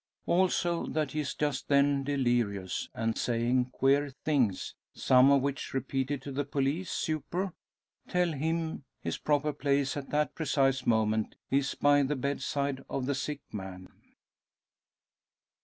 Also, that he is just then delirious, and saying queer things; some of which repeated to the police "super," tell him his proper place, at that precise moment, is by the bedside of the sick man.